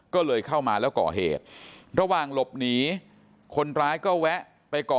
ก็เลยเข้ามาแล้วก่อเหตุระหว่างหลบหนีคนร้ายก็แวะไปก่อ